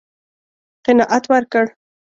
قناعت ورکړ.